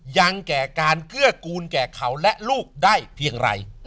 ยังแก่การเกื้อกูลแก่เขาและลูกได้เพียงไร